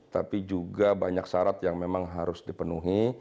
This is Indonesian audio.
tapi juga banyak syarat yang memang harus dipenuhi